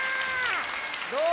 どう？